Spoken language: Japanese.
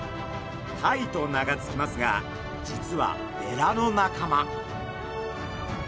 タイと名が付きますが実はベラの仲間。